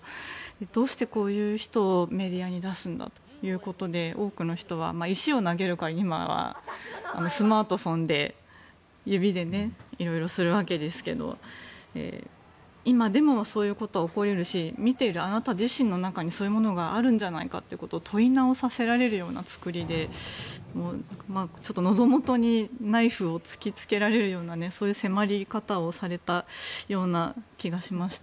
どうしてこういう人をメディアに出すんだということで多くの人は石を投げる代わりにスマートフォンで、指でいろいろするわけですけど今でもそういうことは起こり得るし見てるあなた自身の中にそういうものがあるんじゃないかと問い直されるような作りでのどもとにナイフを突きつけられるようなそういう迫り方をされたような気がしました。